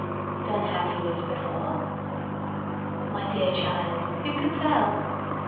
Then have you lived before? My dear child, who can tell?